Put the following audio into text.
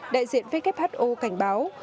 đặc biệt là phụ nữ